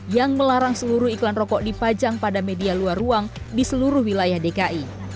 yang melarang seluruh iklan rokok dipajang pada media luar ruang di seluruh wilayah dki